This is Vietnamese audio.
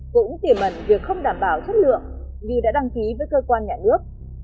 cũng tiềm ẩn việc không đảm bảo chất lượng vì đã đăng ký với cơ quan nhà nước